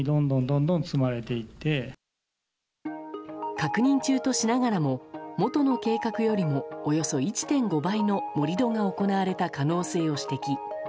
確認中としながらも元の計画よりもおよそ１．５倍の盛り土が行われた可能性を指摘。